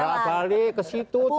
ngo niko kok balik ke situ terus gitu